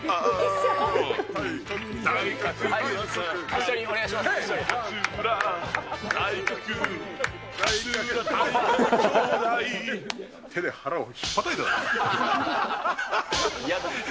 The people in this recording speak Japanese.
一緒にお願いします。